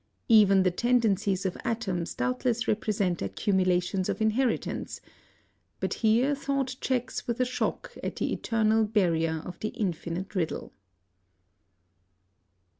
Even the tendencies of atoms doubtless represent accumulations of inheritance but here thought checks with a shock at the eternal barrier of the Infinite Riddle.